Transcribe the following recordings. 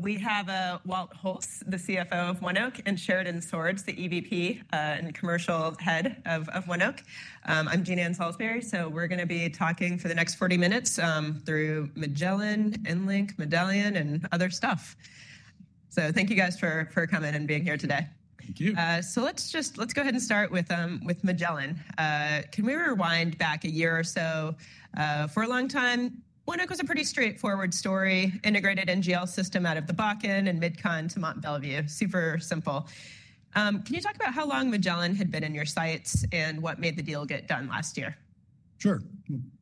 We have Walt Hulse, the CFO of ONEOK, and Sheridan Swords, the EVP and commercial head of ONEOK. I'm Jean Ann Salisbury, so we're going to be talking for the next 40 minutes through Magellan, EnLink, Medallion, and other stuff. So thank you guys for coming and being here today. Thank you. So let's just go ahead and start with Magellan. Can we rewind back a year or so? For a long time, ONEOK was a pretty straightforward story, integrated NGL system out of the Bakken and MidCon to Mont Belvieu. Super simple. Can you talk about how long Magellan had been in your sights and what made the deal get done last year? Sure.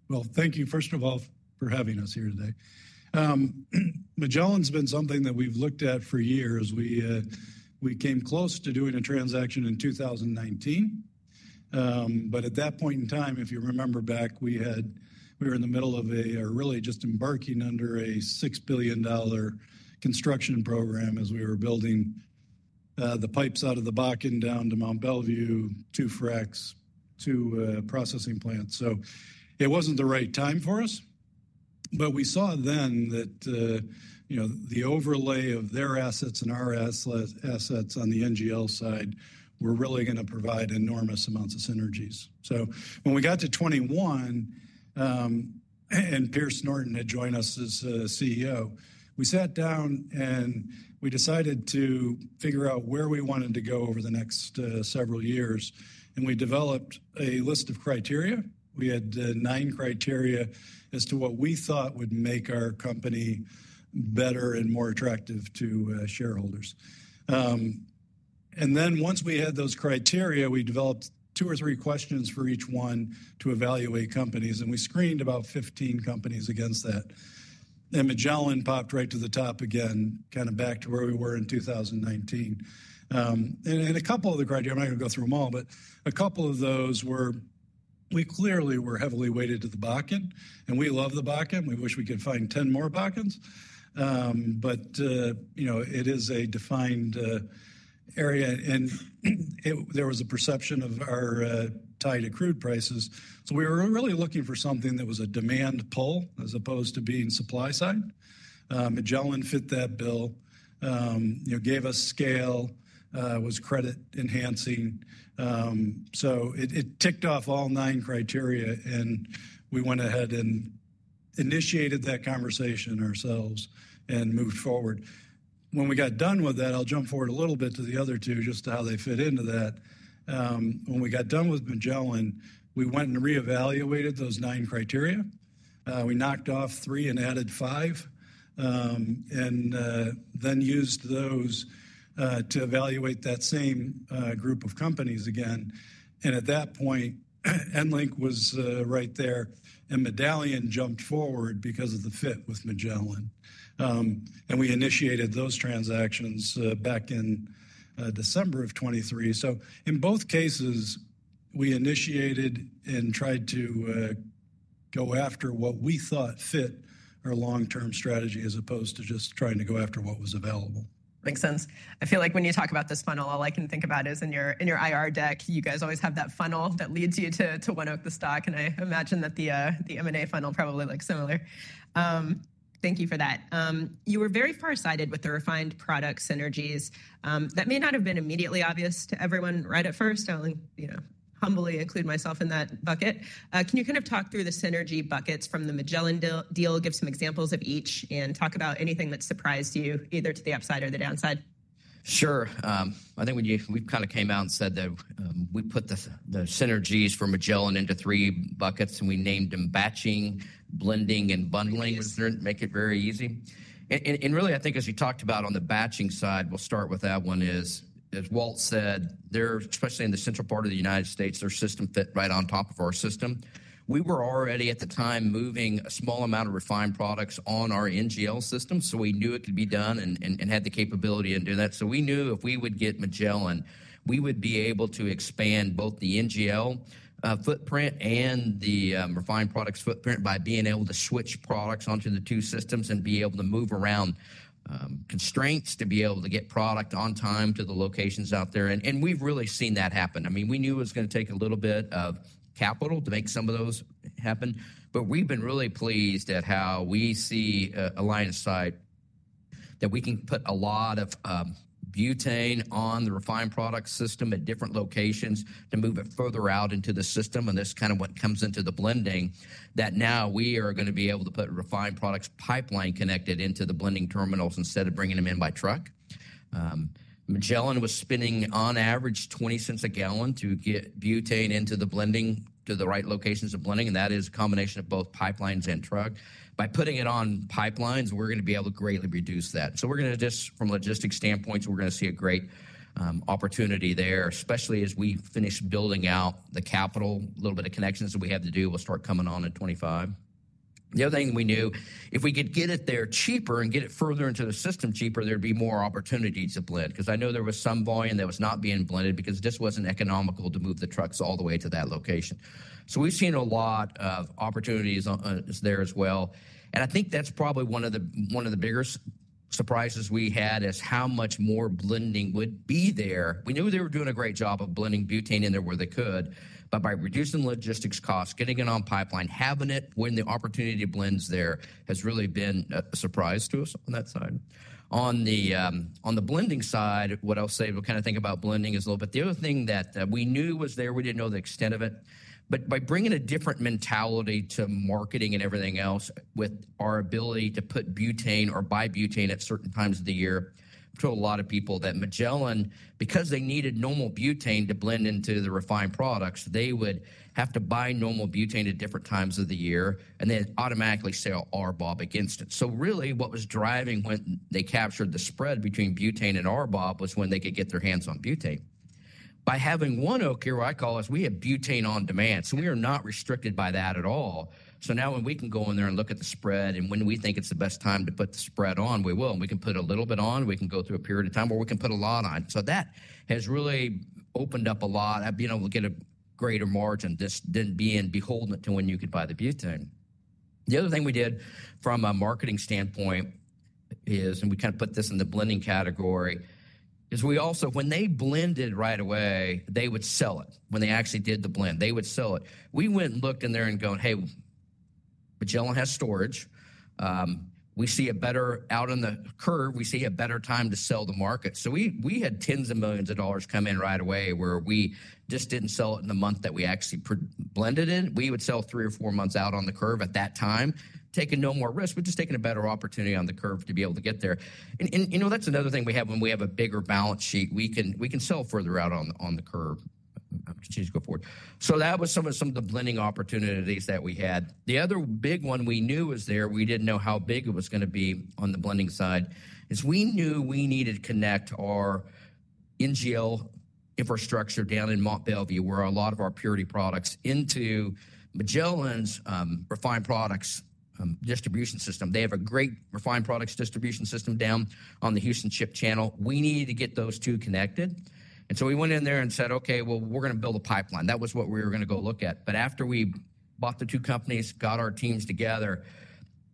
Well, thank you, first of all, for having us here today. Magellan's been something that we've looked at for years. We came close to doing a transaction in 2019, but at that point in time, if you remember back, we were in the middle of a really just embarking under a $6 billion construction program as we were building the pipes out of the Bakken down to Mont Belvieu, two fracs, two processing plants. So it wasn't the right time for us, but we saw then that the overlay of their assets and our assets on the NGL side were really going to provide enormous amounts of synergies. So when we got to 2021, and Pierce Norton had joined us as CEO, we sat down and we decided to figure out where we wanted to go over the next several years, and we developed a list of criteria. We had nine criteria as to what we thought would make our company better and more attractive to shareholders, and then once we had those criteria, we developed two or three questions for each one to evaluate companies, and we screened about 15 companies against that, and Magellan popped right to the top again, kind of back to where we were in 2019. And a couple of the criteria, I'm not going to go through them all, but a couple of those were we clearly were heavily weighted to the Bakken, and we love the Bakken. We wish we could find 10 more Bakkens, but it is a defined area, and there was a perception of our tied to crude prices. So we were really looking for something that was a demand pull as opposed to being supply side. Magellan fit that bill, gave us scale, was credit enhancing. So it ticked off all nine criteria, and we went ahead and initiated that conversation ourselves and moved forward. When we got done with that, I'll jump forward a little bit to the other two, just how they fit into that. When we got done with Magellan, we went and reevaluated those nine criteria. We knocked off three and added five, and then used those to evaluate that same group of companies again. And at that point, EnLink was right there, and Medallion jumped forward because of the fit with Magellan. And we initiated those transactions back in December of 2023. So in both cases, we initiated and tried to go after what we thought fit our long-term strategy as opposed to just trying to go after what was available. Makes sense. I feel like when you talk about this funnel, all I can think about is in your IR deck, you guys always have that funnel that leads you to ONEOK, the stock, and I imagine that the M&A funnel probably like similar. Thank you for that. You were very far-sighted with the refined product synergies. That may not have been immediately obvious to everyone right at first. I'll humbly include myself in that bucket. Can you kind of talk through the synergy buckets from the Magellan deal, give some examples of each, and talk about anything that surprised you, either to the upside or the downside? Sure. I think we kind of came out and said that we put the synergies for Magellan into three buckets, and we named them batching, blending, and bundling to make it very easy, and really, I think as you talked about on the batching side, we'll start with that one is, as Walt said, especially in the central part of the United States, their system fit right on top of our system. We were already at the time moving a small amount of refined products on our NGL system, so we knew it could be done and had the capability in doing that. So we knew if we would get Magellan, we would be able to expand both the NGL footprint and the refined products footprint by being able to switch products onto the two systems and be able to move around constraints to be able to get product on time to the locations out there. And we've really seen that happen. I mean, we knew it was going to take a little bit of capital to make some of those happen, but we've been really pleased at how we see a line of sight that we can put a lot of butane on the refined product system at different locations to move it further out into the system. And that's kind of what comes into the blending, that now we are going to be able to put refined products pipeline connected into the blending terminals instead of bringing them in by truck. Magellan was spending on average $0.20 a gallon to get butane into the blending to the right locations of blending, and that is a combination of both pipelines and truck. By putting it on pipelines, we're going to be able to greatly reduce that. So we're going to just, from a logistics standpoint, we're going to see a great opportunity there, especially as we finish building out the capital, a little bit of connections that we have to do will start coming on in 2025. The other thing we knew, if we could get it there cheaper and get it further into the system cheaper, there'd be more opportunity to blend, because I know there was some volume that was not being blended because it just wasn't economical to move the trucks all the way to that location. So we've seen a lot of opportunities there as well. I think that's probably one of the biggest surprises we had is how much more blending would be there. We knew they were doing a great job of blending butane in there where they could, but by reducing logistics costs, getting it on pipeline, having it when the opportunity blends there has really been a surprise to us on that side. On the blending side, what I'll say, we'll kind of think about blending as a little bit. The other thing that we knew was there, we didn't know the extent of it, but by bringing a different mentality to marketing and everything else with our ability to put butane or buy butane at certain times of the year, I've told a lot of people that Magellan, because they needed normal butane to blend into the refined products, they would have to buy normal butane at different times of the year and then automatically sell RBOB against it. So really what was driving when they captured the spread between butane and RBOB was when they could get their hands on butane. By having ONEOK here, what I call us, we have butane on demand, so we are not restricted by that at all. So now when we can go in there and look at the spread and when we think it's the best time to put the spread on, we will. We can put a little bit on, we can go through a period of time, or we can put a lot on. So that has really opened up a lot, being able to get a greater margin than being beholden to when you could buy the butane. The other thing we did from a marketing standpoint is, and we kind of put this in the blending category, is we also, when they blended right away, they would sell it. When they actually did the blend, they would sell it. We went and looked in there and going, "Hey, Magellan has storage. We see a better out on the curve. We see a better time to sell the market." So we had tens of millions of dollars come in right away where we just didn't sell it in the month that we actually blended it. We would sell three or four months out on the curve at that time, taking no more risk, but just taking a better opportunity on the curve to be able to get there. And that's another thing we have when we have a bigger balance sheet. We can sell further out on the curve. I'll continue to go forward. So that was some of the blending opportunities that we had. The other big one we knew was there. We didn't know how big it was going to be on the blending side. It is we knew we needed to connect our NGL infrastructure down in Mont Belvieu where a lot of our purity products into Magellan's refined products distribution system. They have a great refined products distribution system down on the Houston Ship Channel. We needed to get those two connected, and so we went in there and said, "Okay, well, we're going to build a pipeline." That was what we were going to go look at, but after we bought the two companies, got our teams together,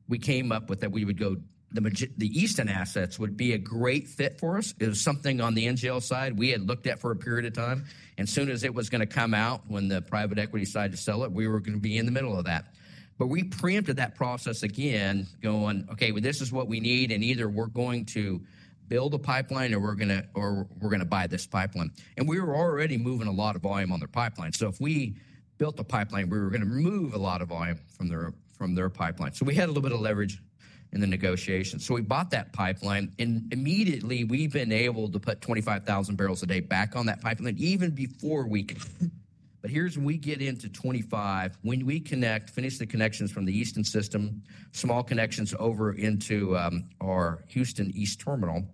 we came up with that we would go the Easton assets would be a great fit for us. It was something on the NGL side we had looked at for a period of time. As soon as it was going to come out when the private equity decided to sell it, we were going to be in the middle of that. We preempted that process again, going, "Okay, this is what we need, and either we're going to build a pipeline or we're going to buy this pipeline." We were already moving a lot of volume on their pipeline. If we built a pipeline, we were going to move a lot of volume from their pipeline. We had a little bit of leverage in the negotiation. We bought that pipeline, and immediately we've been able to put 25,000 barrels a day back on that pipeline, even before we can. But here's when we get into 2025, when we connect, finish the connections from the Easton system, small connections over into our Houston East terminal,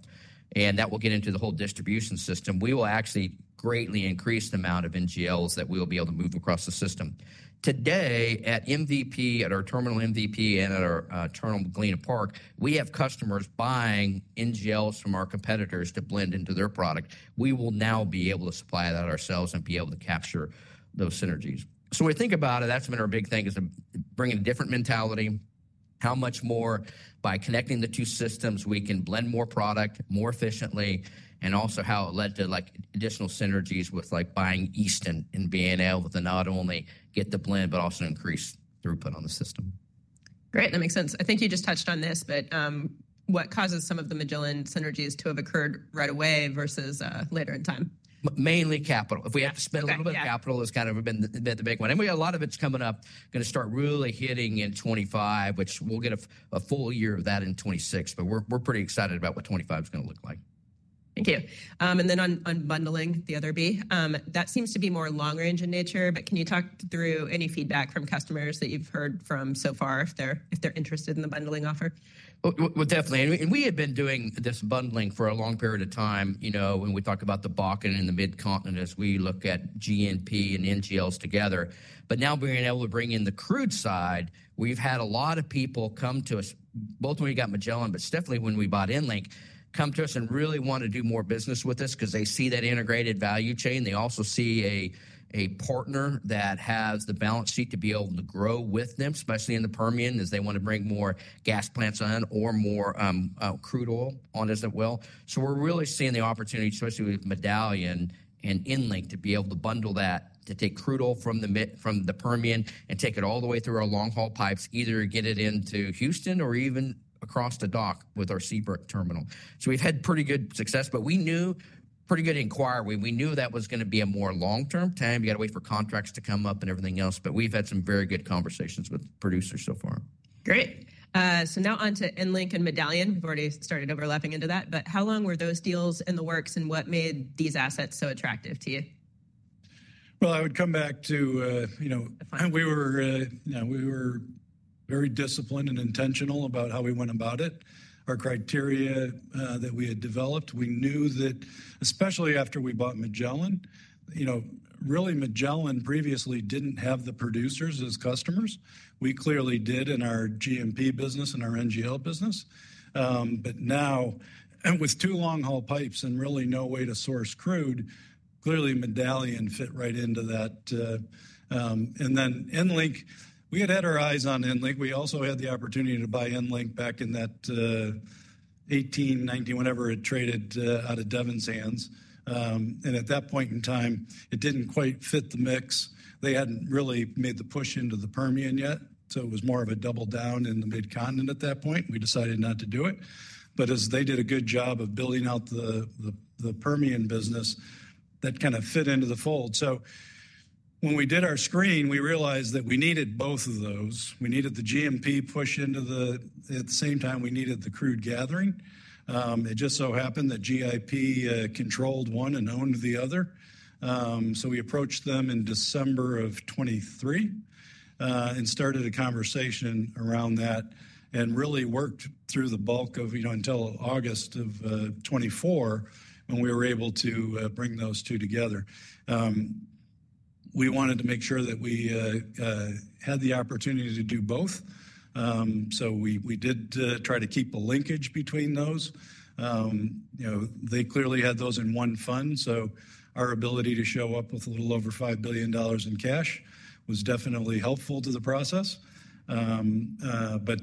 and that will get into the whole distribution system, we will actually greatly increase the amount of NGLs that we will be able to move across the system. Today at MVP, at our terminal MVP and at our terminal Galena Park, we have customers buying NGLs from our competitors to blend into their product. We will now be able to supply that ourselves and be able to capture those synergies. So, when we think about it, that's been our big thing, is bringing a different mentality, how much more by connecting the two systems we can blend more product more efficiently, and also how it led to additional synergies with buying Easton and being able to not only get the blend, but also increase throughput on the system. Great. That makes sense. I think you just touched on this, but what causes some of the Magellan synergies to have occurred right away versus later in time? Mainly capital. If we have to spend a little bit of capital, it's kind of been the big one, and a lot of it's coming up, going to start really hitting in 2025, which we'll get a full year of that in 2026, but we're pretty excited about what 2025 is going to look like. Thank you, and then on bundling, the other B, that seems to be more long-range in nature, but can you talk through any feedback from customers that you've heard from so far if they're interested in the bundling offer? Well, definitely. And we had been doing this bundling for a long period of time when we talk about the Bakken and the Mid-Continent as we look at G&P and NGLs together. But now being able to bring in the crude side, we've had a lot of people come to us, both when we got Magellan, but then when we bought EnLink, come to us and really want to do more business with us because they see that integrated value chain. They also see a partner that has the balance sheet to be able to grow with them, especially in the Permian, as they want to bring more gas plants on or more crude oil on, as it will. So we're really seeing the opportunity, especially with Medallion and EnLink, to be able to bundle that, to take crude oil from the Permian and take it all the way through our long-haul pipes, either get it into Houston or even across the dock with our Seabrook Terminal. So we've had pretty good success, but we knew pretty good inquiry. We knew that was going to be a more long-term time. You got to wait for contracts to come up and everything else, but we've had some very good conversations with producers so far. Great. So now on to EnLink and Medallion. We've already started overlapping into that, but how long were those deals in the works, and what made these assets so attractive to you? I would come back to we were very disciplined and intentional about how we went about it. Our criteria that we had developed, we knew that especially after we bought Magellan. Really, Magellan previously didn't have the producers as customers. We clearly did in our G&P business and our NGL business, but now, with two long-haul pipes and really no way to source crude, clearly Medallion fit right into that, and then EnLink, we had had our eyes on EnLink. We also had the opportunity to buy EnLink back in that 2018, 2019, whenever it traded out of Devon's hands, and at that point in time, it didn't quite fit the mix. They hadn't really made the push into the Permian yet, so it was more of a double down in the Mid-Continent at that point. We decided not to do it. But as they did a good job of building out the Permian business, that kind of fit into the fold. So when we did our screen, we realized that we needed both of those. We needed the G&P push into the, at the same time, we needed the crude gathering. It just so happened that GIP controlled one and owned the other. So we approached them in December of 2023 and started a conversation around that and really worked through the bulk of until August of 2024 when we were able to bring those two together. We wanted to make sure that we had the opportunity to do both. So we did try to keep a linkage between those. They clearly had those in one fund, so our ability to show up with a little over $5 billion in cash was definitely helpful to the process. But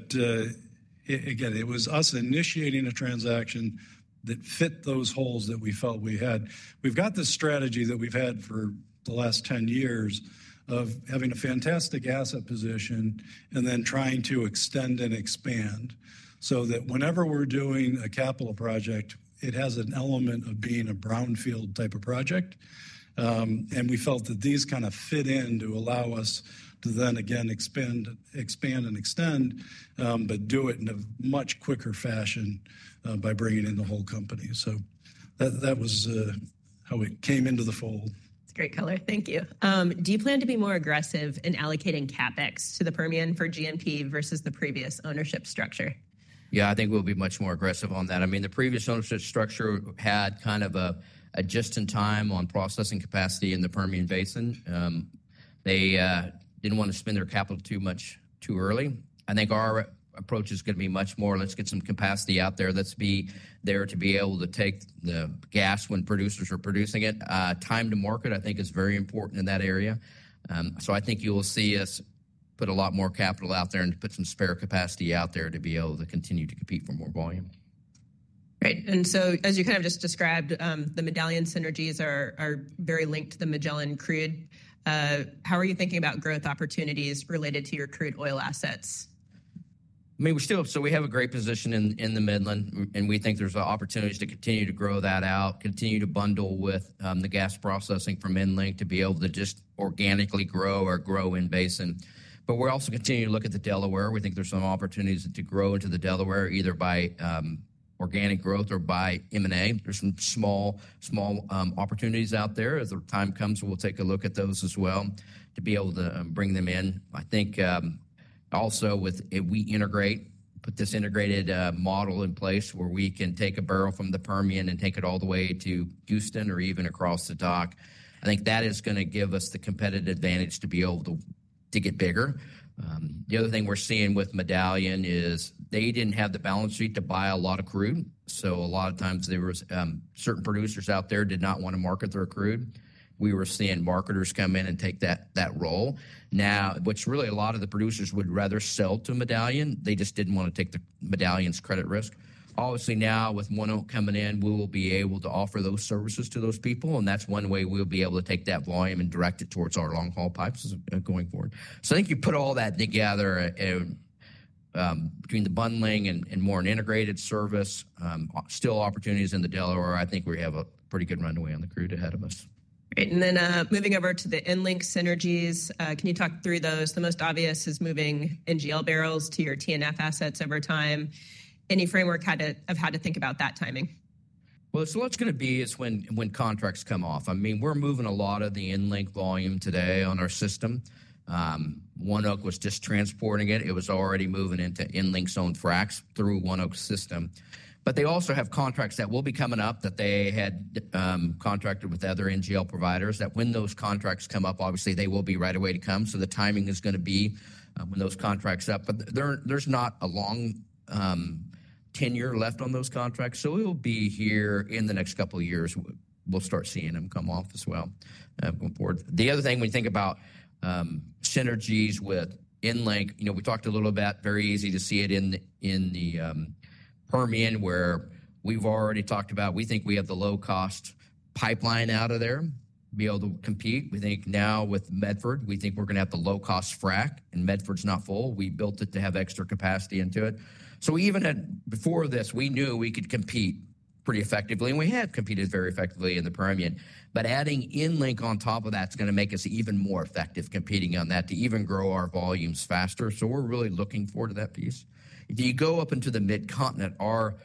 again, it was us initiating a transaction that fit those holes that we felt we had. We've got this strategy that we've had for the last 10 years of having a fantastic asset position and then trying to extend and expand so that whenever we're doing a capital project, it has an element of being a brownfield type of project. And we felt that these kind of fit in to allow us to then again expand and extend, but do it in a much quicker fashion by bringing in the whole company. So that was how it came into the fold. That's a great color. Thank you. Do you plan to be more aggressive in allocating CapEx to the Permian for G&P versus the previous ownership structure? Yeah, I think we'll be much more aggressive on that. I mean, the previous ownership structure had kind of a just-in-time on processing capacity in the Permian Basin. They didn't want to spend their capital too much too early. I think our approach is going to be much more, let's get some capacity out there. Let's be there to be able to take the gas when producers are producing it. Time to market, I think, is very important in that area. So I think you will see us put a lot more capital out there and put some spare capacity out there to be able to continue to compete for more volume. Great, and so as you kind of just described, the Medallion synergies are very linked to the Magellan crude. How are you thinking about growth opportunities related to your crude oil assets? I mean, we still, so we have a great position in the Midland, and we think there's opportunities to continue to grow that out, continue to bundle with the gas processing from EnLink to be able to just organically grow our growth in basin. But we're also continuing to look at the Delaware. We think there's some opportunities to grow into the Delaware, either by organic growth or by M&A. There's some small opportunities out there. As the time comes, we'll take a look at those as well to be able to bring them in. I think also with, if we integrate, put this integrated model in place where we can take a barrel from the Permian and take it all the way to Houston or even across the dock, I think that is going to give us the competitive advantage to be able to get bigger. The other thing we're seeing with Medallion is they didn't have the balance sheet to buy a lot of crude, so a lot of times there were certain producers out there who did not want to market their crude. We were seeing marketers come in and take that role. Now, which really a lot of the producers would rather sell to Medallion. They just didn't want to take the Medallion's credit risk. Obviously now with ONEOK coming in, we will be able to offer those services to those people, and that's one way we'll be able to take that volume and direct it towards our long-haul pipes going forward, so I think you put all that together between the bundling and more integrated service, still opportunities in the Delaware. I think we have a pretty good runway on the crude ahead of us. Great. And then moving over to the EnLink synergies, can you talk through those? The most obvious is moving NGL barrels to your TNF assets over time. Any framework have had to think about that timing? So what's going to be is when contracts come off. I mean, we're moving a lot of the EnLink volume today on our system. ONEOK was just transporting it. It was already moving into EnLink's own fracs through ONEOK's system. But they also have contracts that will be coming up that they had contracted with other NGL providers that when those contracts come up, obviously they will be ready to come. So the timing is going to be when those contracts are up, but there's not a long tenor left on those contracts. So we'll be here in the next couple of years. We'll start seeing them come off as well going forward. The other thing we think about synergies with EnLink. We talked a little about very easy to see it in the Permian where we've already talked about we think we have the low-cost pipeline out of there, be able to compete. We think now with Medford, we think we're going to have the low-cost frac, and Medford's not full. We built it to have extra capacity into it. So even before this, we knew we could compete pretty effectively, and we had competed very effectively in the Permian. But adding EnLink on top of that's going to make us even more effective competing on that to even grow our volumes faster. So we're really looking forward to that piece. If you go up into the Mid-Continent, our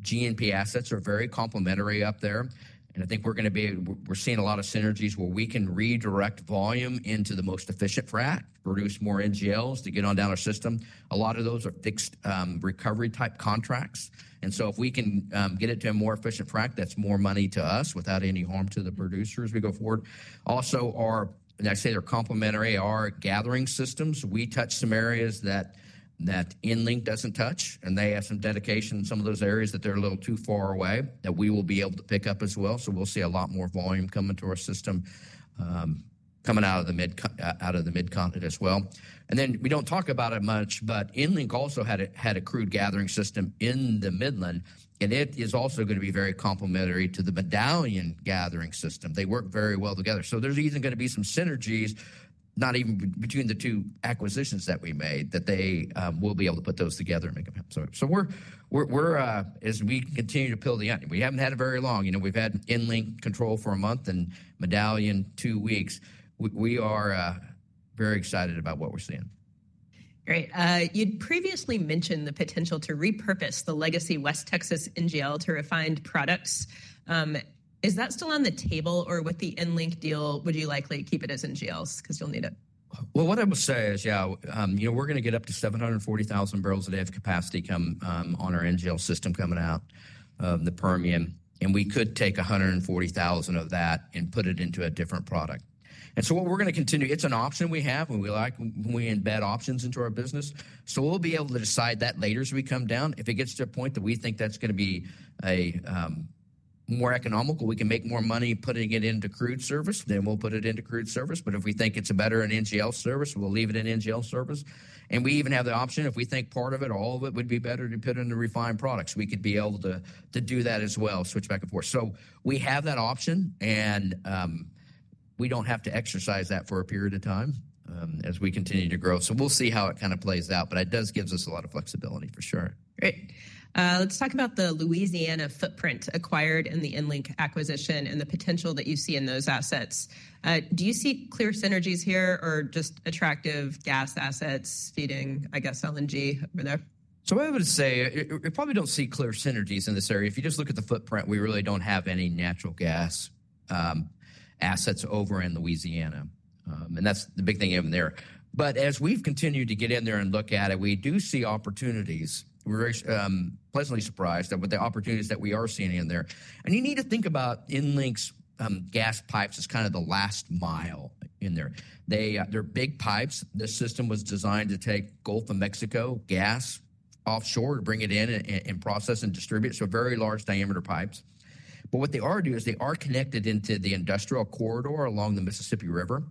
G&P assets are very complementary up there. And I think we're going to be, we're seeing a lot of synergies where we can redirect volume into the most efficient frac, produce more NGLs to get on down our system. A lot of those are fixed recovery type contracts. And so if we can get it to a more efficient frac, that's more money to us without any harm to the producers as we go forward. Also, I say they're complementary, our gathering systems. We touch some areas that EnLink doesn't touch, and they have some dedication in some of those areas that they're a little too far away that we will be able to pick up as well. So we'll see a lot more volume coming to our system coming out of the Mid-Continent as well. And then we don't talk about it much, but EnLink also had a crude gathering system in the Midland, and it is also going to be very complementary to the Medallion gathering system. They work very well together. So there's even going to be some synergies, not even between the two acquisitions that we made, that they will be able to put those together and make them happen. So as we continue to peel the onion, we haven't had it very long. We've had EnLink control for a month and Medallion two weeks. We are very excited about what we're seeing. Great. You'd previously mentioned the potential to repurpose the legacy West Texas NGL to refined products. Is that still on the table, or with the EnLink deal, would you likely keep it as NGLs because you'll need it? What I would say is, yeah, we're going to get up to 740,000 barrels a day of capacity on our NGL system coming out of the Permian, and we could take 140,000 of that and put it into a different product, and so what we're going to continue, it's an option we have when we embed options into our business, so we'll be able to decide that later as we come down, if it gets to a point that we think that's going to be more economical, we can make more money putting it into crude service, then we'll put it into crude service, but if we think it's a better NGL service, we'll leave it in NGL service, and we even have the option, if we think part of it, all of it would be better to put into refined products. We could be able to do that as well, switch back and forth. So we have that option, and we don't have to exercise that for a period of time as we continue to grow. So we'll see how it kind of plays out, but it does give us a lot of flexibility for sure. Great. Let's talk about the Louisiana footprint acquired in the EnLink acquisition and the potential that you see in those assets. Do you see clear synergies here or just attractive gas assets feeding, I guess, LNG over there? So I would say, I probably don't see clear synergies in this area. If you just look at the footprint, we really don't have any natural gas assets over in Louisiana. And that's the big thing in there. But as we've continued to get in there and look at it, we do see opportunities. We're pleasantly surprised with the opportunities that we are seeing in there. And you need to think about EnLink's gas pipes as kind of the last mile in there. They're big pipes. This system was designed to take Gulf of Mexico gas offshore to bring it in and process and distribute. So very large diameter pipes. But what they are doing is they are connected into the industrial corridor along the Mississippi River.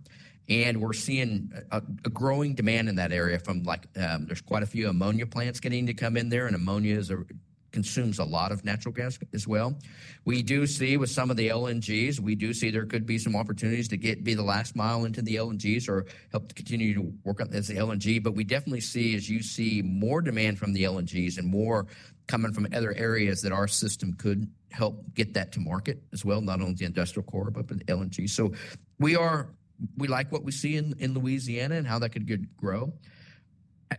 We're seeing a growing demand in that area from. There's quite a few ammonia plants getting to come in there, and ammonia consumes a lot of natural gas as well. We do see with some of the LNGs, we do see there could be some opportunities to be the last mile into the LNGs or help to continue to work on as the LNG. We definitely see, as you see more demand from the LNGs and more coming from other areas that our system could help get that to market as well, not only the industrial corridor, but the LNG. We like what we see in Louisiana and how that could grow.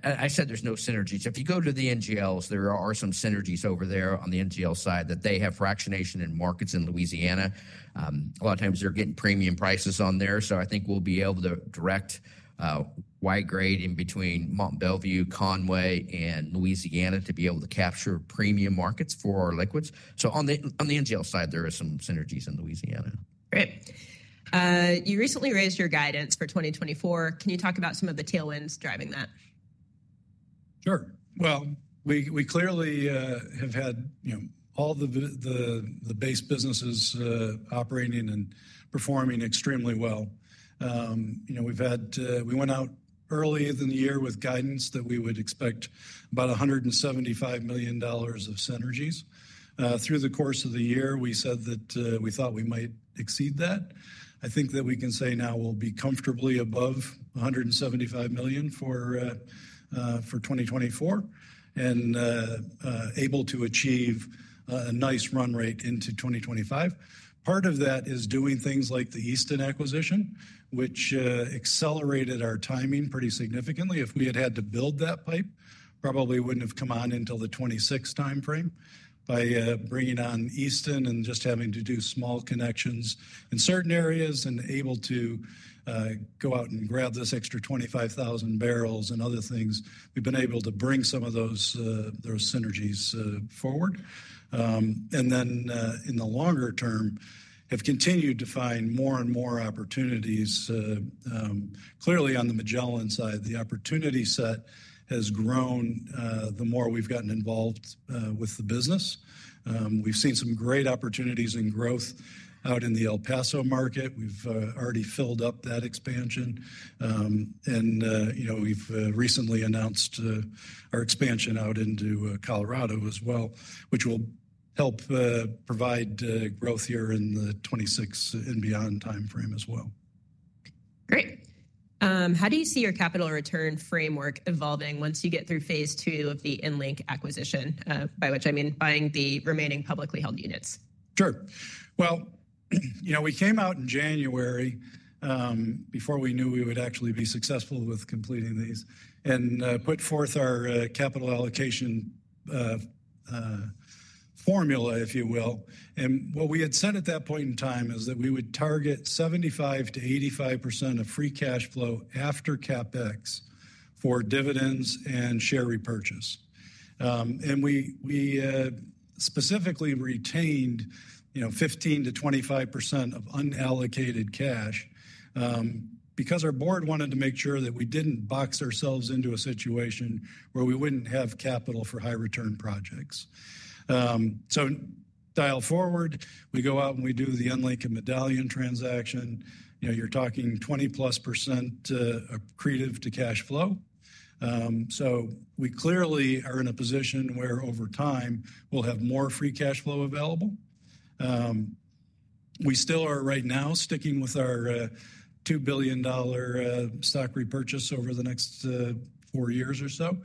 I said there's no synergies. If you go to the NGLs, there are some synergies over there on the NGL side that they have fractionation in markets in Louisiana. A lot of times they're getting premium prices on there. So I think we'll be able to direct Y-grade in between Mont Belvieu, Conway, and Louisiana to be able to capture premium markets for our liquids. So on the NGL side, there are some synergies in Louisiana. Great. You recently raised your guidance for 2024. Can you talk about some of the tailwinds driving that? Sure. Well, we clearly have had all the base businesses operating and performing extremely well. We went out earlier in the year with guidance that we would expect about $175 million of synergies. Through the course of the year, we said that we thought we might exceed that. I think that we can say now we'll be comfortably above $175 million for 2024 and able to achieve a nice run rate into 2025. Part of that is doing things like the Easton acquisition, which accelerated our timing pretty significantly. If we had had to build that pipe, probably wouldn't have come on until the 2026 timeframe by bringing on Easton and just having to do small connections in certain areas and able to go out and grab those extra 25,000 barrels and other things. We've been able to bring some of those synergies forward. And then in the longer term, have continued to find more and more opportunities. Clearly on the Magellan side, the opportunity set has grown the more we've gotten involved with the business. We've seen some great opportunities in growth out in the El Paso market. We've already filled up that expansion. And we've recently announced our expansion out into Colorado as well, which will help provide growth here in the 2026 and beyond timeframe as well. Great. How do you see your capital return framework evolving once you get through phase two of the EnLink acquisition, by which I mean buying the remaining publicly held units? Sure. Well, we came out in January before we knew we would actually be successful with completing these and put forth our capital allocation formula, if you will. And what we had said at that point in time is that we would target 75%-85% of free cash flow after CapEx for dividends and share repurchase. And we specifically retained 15%-25% of unallocated cash because our board wanted to make sure that we didn't box ourselves into a situation where we wouldn't have capital for high return projects. So fast forward, we go out and we do the EnLink and Medallion transaction. You're talking 20%+ accretive to cash flow. So we clearly are in a position where over time we'll have more free cash flow available. We still are right now sticking with our $2 billion stock repurchase over the next four years or so.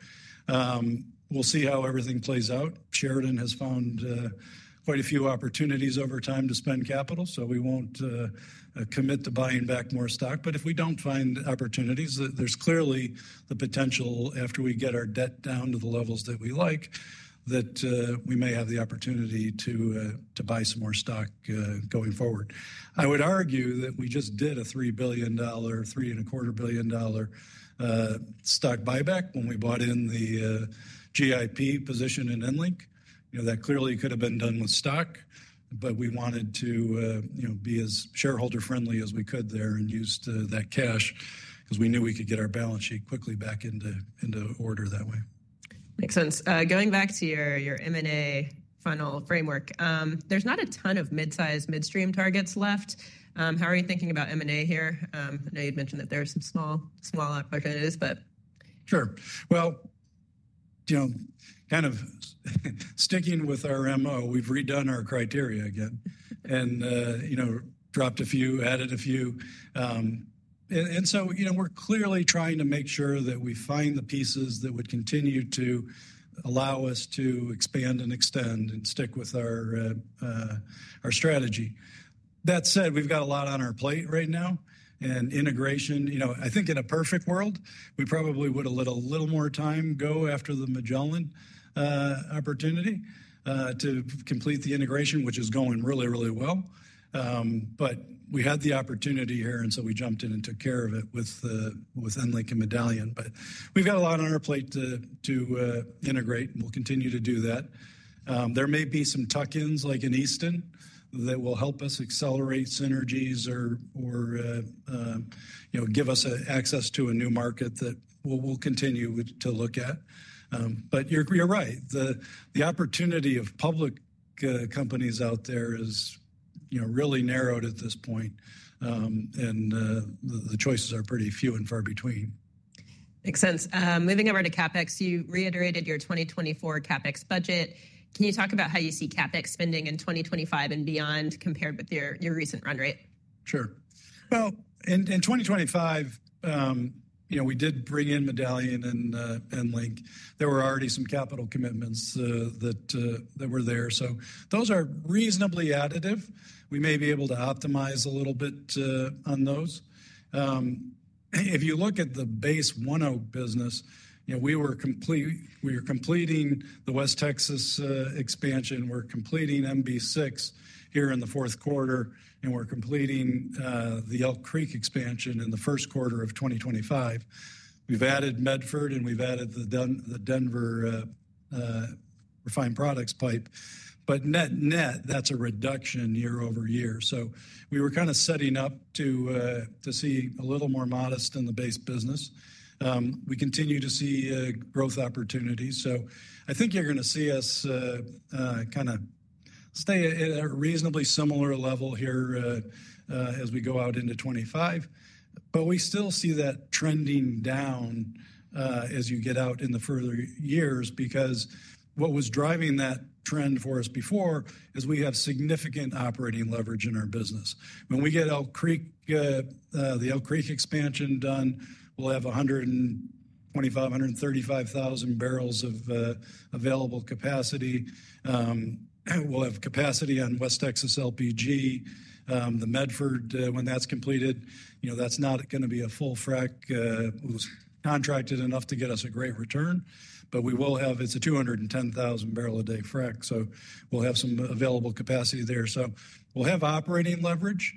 We'll see how everything plays out. Sheridan has found quite a few opportunities over time to spend capital, so we won't commit to buying back more stock. But if we don't find opportunities, there's clearly the potential after we get our debt down to the levels that we like that we may have the opportunity to buy some more stock going forward. I would argue that we just did a $3 billion, $3.25 billion stock buyback when we bought in the GIP position in EnLink. That clearly could have been done with stock, but we wanted to be as shareholder friendly as we could there and used that cash because we knew we could get our balance sheet quickly back into order that way. Makes sense. Going back to your M&A final framework, there's not a ton of mid-size, midstream targets left. How are you thinking about M&A here? I know you'd mentioned that there are some small opportunities, but. Sure. Well, kind of sticking with our MO, we've redone our criteria again and dropped a few, added a few. And so we're clearly trying to make sure that we find the pieces that would continue to allow us to expand and extend and stick with our strategy. That said, we've got a lot on our plate right now and integration. I think in a perfect world, we probably would have a little more time go after the Magellan opportunity to complete the integration, which is going really, really well. But we had the opportunity here, and so we jumped in and took care of it with EnLink and Medallion. But we've got a lot on our plate to integrate, and we'll continue to do that. There may be some tuck-ins like in Easton that will help us accelerate synergies or give us access to a new market that we'll continue to look at. But you're right. The opportunity of public companies out there is really narrowed at this point, and the choices are pretty few and far between. Makes sense. Moving over to CapEx, you reiterated your 2024 CapEx budget. Can you talk about how you see CapEx spending in 2025 and beyond compared with your recent run rate? Sure. Well, in 2025, we did bring in Medallion and EnLink. There were already some capital commitments that were there. So those are reasonably additive. We may be able to optimize a little bit on those. If you look at the base business, we were completing the West Texas expansion. We're completing MB-6 here in the fourth quarter, and we're completing the Elk Creek expansion in the first quarter of 2025. We've added Medford, and we've added the Denver refined products pipe. But net, net, that's a reduction year over year. So we were kind of setting up to see a little more modest in the base business. We continue to see growth opportunities. So I think you're going to see us kind of stay at a reasonably similar level here as we go out into 2025. But we still see that trending down as you get out in the further years because what was driving that trend for us before is we have significant operating leverage in our business. When we get the Elk Creek expansion done, we'll have 125,000-135,000 barrels of available capacity. We'll have capacity on West Texas LPG. The Medford, when that's completed, that's not going to be a full frac contracted enough to get us a great return, but we will have. It's a 210,000-barrel-a-day frac. So we'll have some available capacity there. So we'll have operating leverage.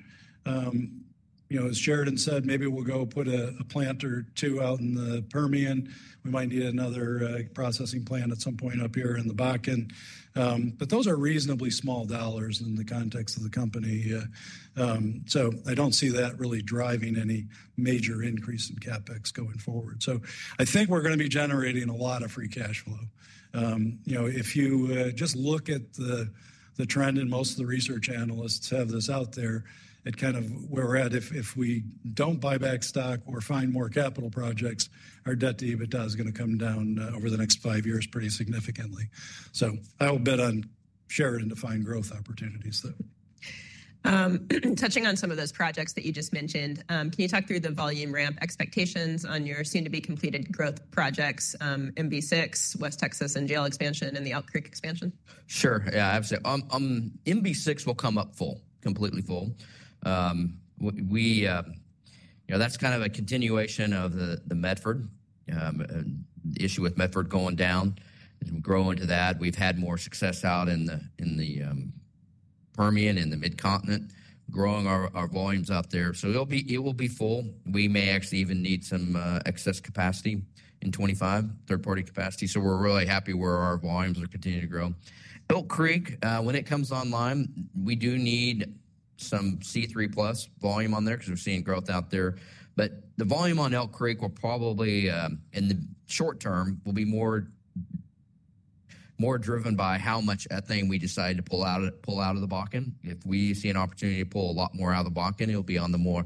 As Sheridan said, maybe we'll go put a plant or two out in the Permian. We might need another processing plant at some point up here in the Bakken. But those are reasonably small dollars in the context of the company. So I don't see that really driving any major increase in CapEx going forward. So I think we're going to be generating a lot of free cash flow. If you just look at the trend, and most of the research analysts have this out there, it kind of where we're at, if we don't buy back stock or find more capital projects, our debt to EBITDA is going to come down over the next five years pretty significantly. So I will bet on Sheridan to find growth opportunities there. Touching on some of those projects that you just mentioned, can you talk through the volume ramp expectations on your soon-to-be completed growth projects, MB-6, West Texas NGL expansion, and the Elk Creek expansion? Sure. Yeah, absolutely. MB-6 will come up full, completely full. That's kind of a continuation of the Medford, the issue with Medford going down and grow into that. We've had more success out in the Permian, in the Mid-Continent, growing our volumes out there. So it will be full. We may actually even need some excess capacity in 2025, third-party capacity. So we're really happy where our volumes are continuing to grow. Elk Creek, when it comes online, we do need some C3+ volume on there because we're seeing growth out there. But the volume on Elk Creek will probably, in the short term, will be more driven by how much ethane we decide to pull out of the Bakken. If we see an opportunity to pull a lot more out of the Bakken, it'll be on the more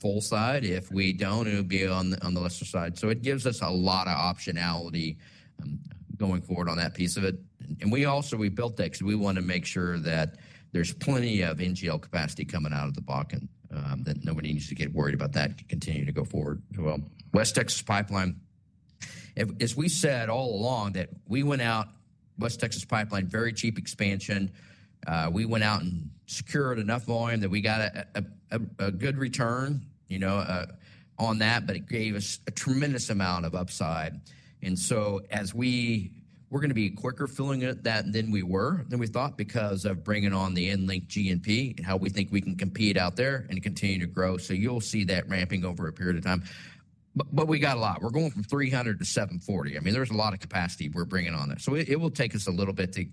full side. If we don't, it'll be on the lesser side. So it gives us a lot of optionality going forward on that piece of it. And we also, we built that because we want to make sure that there's plenty of NGL capacity coming out of the Bakken that nobody needs to get worried about that continuing to go forward. West Texas Pipeline, as we said all along that we went out, West Texas Pipeline, very cheap expansion. We went out and secured enough volume that we got a good return on that, but it gave us a tremendous amount of upside. And so we're going to be quicker filling that than we were than we thought because of bringing on the EnLink G&P and how we think we can compete out there and continue to grow. So you'll see that ramping over a period of time. But we got a lot. We're going from 300 to 740. I mean, there's a lot of capacity we're bringing on there. So it will take us a little bit to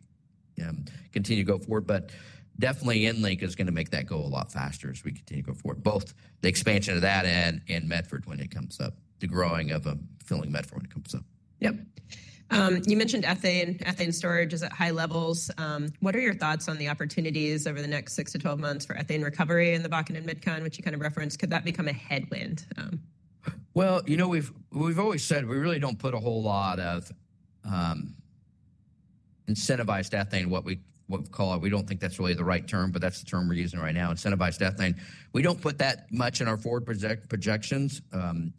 continue to go forward, but definitely EnLink is going to make that go a lot faster as we continue to go forward, both the expansion of that and Medford when it comes up, the growing of filling Medford when it comes up. Yep. You mentioned ethane storage is at high levels. What are your thoughts on the opportunities over the next six to 12 months for ethane recovery in the Bakken and MidCon, which you kind of referenced? Could that become a headwind? Well, you know we've always said we really don't put a whole lot of incentivized ethane, what we call it. We don't think that's really the right term, but that's the term we're using right now, incentivized ethane. We don't put that much in our forward projections.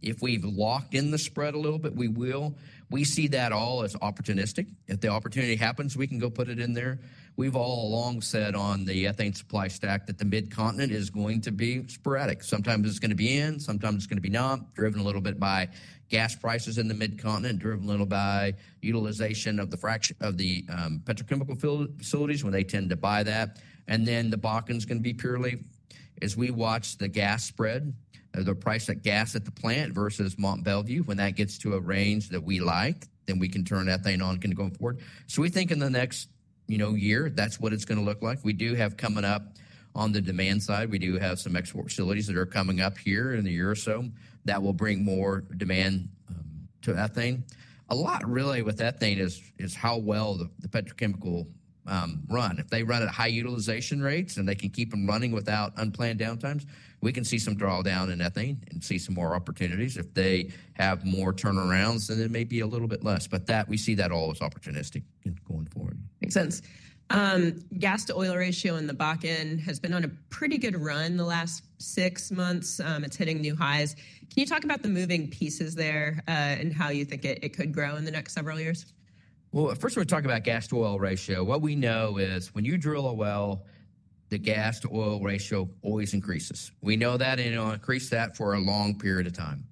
If we've locked in the spread a little bit, we will. We see that all as opportunistic. If the opportunity happens, we can go put it in there. We've all along said on the ethane supply stack that the Mid-Continent is going to be sporadic. Sometimes it's going to be in, sometimes it's going to be not, driven a little bit by gas prices in the Mid-Continent, driven a little bit by utilization of the petrochemical facilities where they tend to buy that. Then the Bakken's going to be purely, as we watch the gas spread, the price of gas at the plant versus Mont Belvieu, when that gets to a range that we like, then we can turn ethane on and can go forward. We think in the next year, that's what it's going to look like. We do have coming up on the demand side. We do have some export facilities that are coming up here in the year or so that will bring more demand to ethane. A lot really with ethane is how well the petrochemicals run. If they run at high utilization rates and they can keep them running without unplanned downtimes, we can see some drawdown in ethane and see some more opportunities. If they have more turnarounds, then it may be a little bit less. We see that all as opportunistic going forward. Makes sense. Gas-to-oil ratio in the Bakken has been on a pretty good run the last six months. It's hitting new highs. Can you talk about the moving pieces there and how you think it could grow in the next several years? First we're talking about gas-to-oil ratio. What we know is when you drill a well, the gas-to-oil ratio always increases. We know that, and it'll increase that for a long period of time.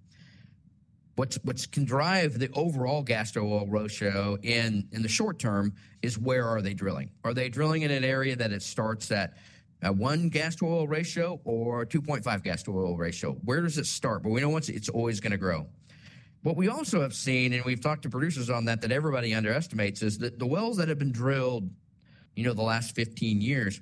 What can drive the overall gas-to-oil ratio in the short term is where are they drilling? Are they drilling in an area that it starts at one gas-to-oil ratio or 2.5 gas-to-oil ratio? Where does it start? But we know it's always going to grow. What we also have seen, and we've talked to producers on that, that everybody underestimates is that the wells that have been drilled the last 15 years,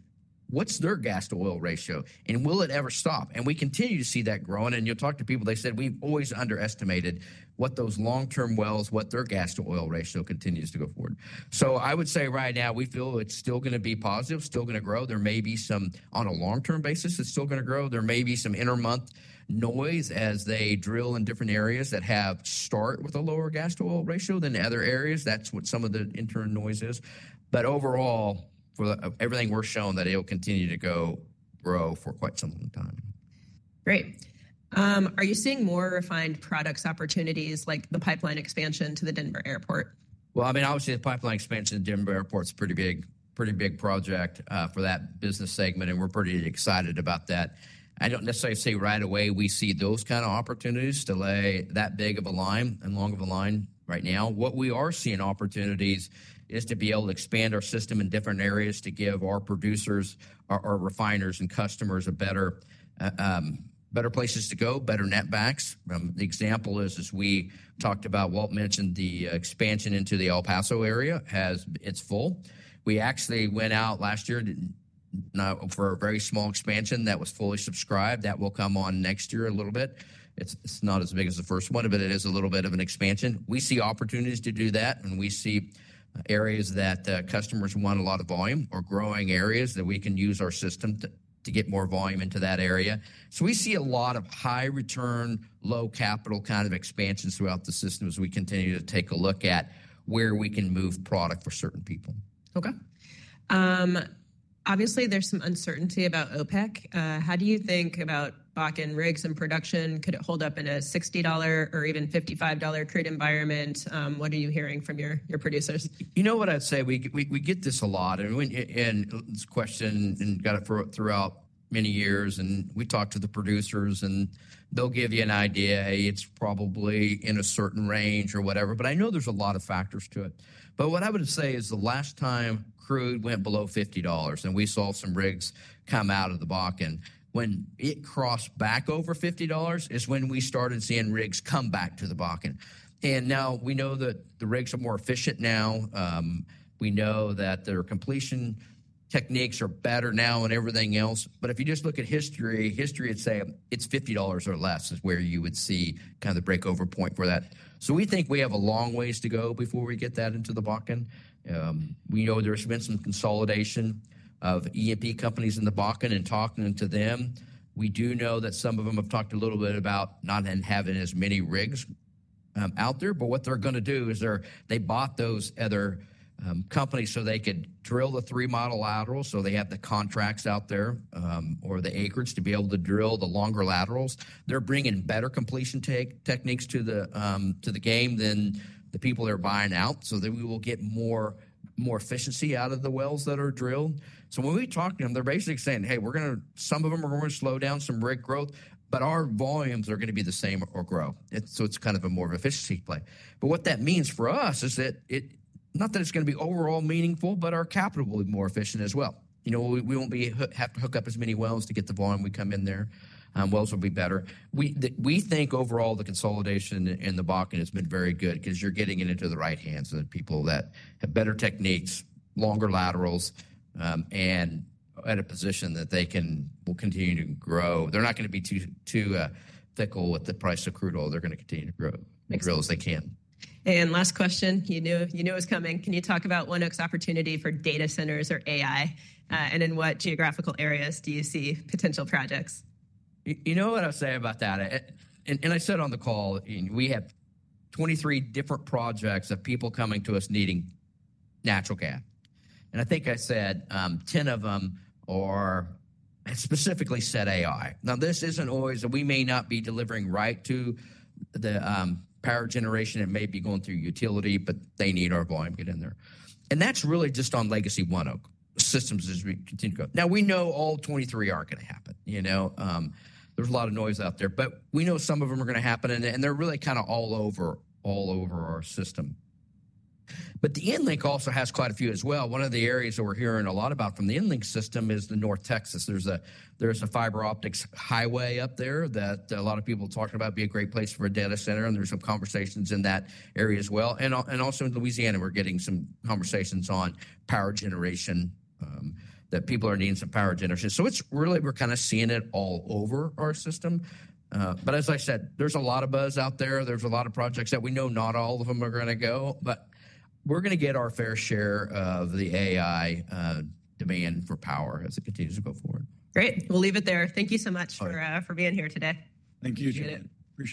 what's their gas-to-oil ratio? And will it ever stop? And we continue to see that growing. You'll talk to people. They said, "We've always underestimated what those long-term wells, what their gas-to-oil ratio continues to go forward." So I would say right now, we feel it's still going to be positive, still going to grow. There may be some, on a long-term basis, it's still going to grow. There may be some intermonth noise as they drill in different areas that start with a lower gas-to-oil ratio than other areas. That's what some of the interim noise is. But overall, everything we're showing that it'll continue to grow for quite some time. Great. Are you seeing more refined products opportunities like the pipeline expansion to the Denver Airport? Well, I mean, obviously, the pipeline expansion to Denver International Airport is a pretty big project for that business segment, and we're pretty excited about that. I don't necessarily say right away we see those kind of opportunities delay that big of a line and long of a line right now. What we are seeing opportunities is to be able to expand our system in different areas to give our producers, our refiners, and customers better places to go, better netbacks. The example is, as we talked about, Walt mentioned the expansion into the El Paso area has its full. We actually went out last year for a very small expansion that was fully subscribed. That will come on next year a little bit. It's not as big as the first one, but it is a little bit of an expansion. We see opportunities to do that, and we see areas that customers want a lot of volume or growing areas that we can use our system to get more volume into that area, so we see a lot of high-return, low-capital kind of expansions throughout the system as we continue to take a look at where we can move product for certain people. Okay. Obviously, there's some uncertainty about OPEC. How do you think about Bakken rigs and production? Could it hold up in a $60 or even $55 crude environment? What are you hearing from your producers? You know what I'd say? We get this a lot. And it's a question we get throughout many years. And we talk to the producers, and they'll give you an idea. It's probably in a certain range or whatever. But I know there's a lot of factors to it. But what I would say is the last time crude went below $50, and we saw some rigs come out of the Bakken, when it crossed back over $50 is when we started seeing rigs come back to the Bakken. And now we know that the rigs are more efficient now. We know that their completion techniques are better now and everything else. But if you just look at history, history would say it's $50 or less is where you would see kind of the breakeven point for that. So, we think we have a long ways to go before we get that into the Bakken. We know there's been some consolidation of E&P companies in the Bakken, and talking to them, we do know that some of them have talked a little bit about not having as many rigs out there. But what they're going to do is they bought those other companies so they could drill the three-mile laterals. So they have the contracts out there or the acreage to be able to drill the longer laterals. They're bringing better completion techniques to the game than the people they're buying out. So then we will get more efficiency out of the wells that are drilled. So when we talk to them, they're basically saying, "Hey, some of them are going to slow down some rig growth, but our volumes are going to be the same or grow." So it's kind of a more efficiency play. But what that means for us is that not that it's going to be overall meaningful, but our capital will be more efficient as well. We won't have to hook up as many wells to get the volume we come in there. Wells will be better. We think overall the consolidation in the Bakken has been very good because you're getting it into the right hands of the people that have better techniques, longer laterals, and at a position that they can will continue to grow. They're not going to be too fickle with the price of crude oil. They're going to continue to grow as real as they can. Last question. You knew it was coming. Can you talk about ONEOK's opportunity for data centers or AI? In what geographical areas do you see potential projects? You know what I'll say about that, and I said on the call, we have 23 different projects of people coming to us needing natural gas. And I think I said 10 of them are specifically for AI. Now, this isn't always that we may not be delivering right to the power generation. It may be going through utility, but they need our volume to get in there. And that's really just on legacy ONEOK systems as we continue to grow. Now, we know all 23 are going to happen. There's a lot of noise out there, but we know some of them are going to happen, and they're really kind of all over our system. But the EnLink also has quite a few as well. One of the areas that we're hearing a lot about from the EnLink system is the North Texas. There's a fiber optics highway up there that a lot of people are talking about being a great place for a data center, and there's some conversations in that area as well, and also in Louisiana, we're getting some conversations on power generation that people are needing some power generation, so it's really we're kind of seeing it all over our system, but as I said, there's a lot of buzz out there, there's a lot of projects that we know not all of them are going to go, but we're going to get our fair share of the AI demand for power as it continues to go forward. Great. We'll leave it there. Thank you so much for being here today. Thank you. Appreciate it.